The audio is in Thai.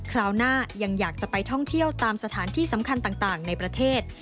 คราวหน้ายังอยากจะไปท่องเที่ยวตามสถานที่สำคัญต่างในประเทศ